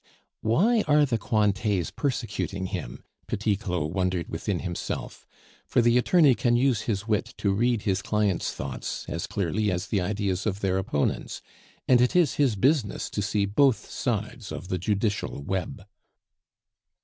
"Why are the Cointets persecuting him?" Petit Claud wondered within himself, for the attorney can use his wit to read his clients' thoughts as clearly as the ideas of their opponents, and it is his business to see both sides of the judicial web.